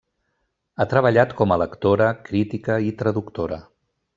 Ha treballat com a lectora, crítica i traductora.